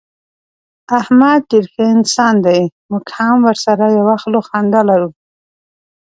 احمد ډېر ښه انسان دی. موږ هم ورسره یوه خوله خندا لرو.